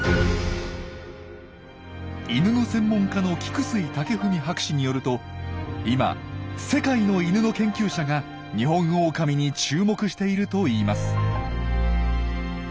イヌの専門家の菊水健史博士によると今世界のイヌの研究者がニホンオオカミに注目しているといいます。